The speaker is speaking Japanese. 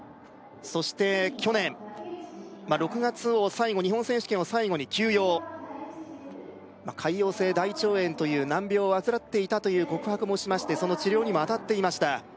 そして去年６月を最後日本選手権を最後に休養潰瘍性大腸炎という難病を患っていたという告白もしましてその治療にもあたっていました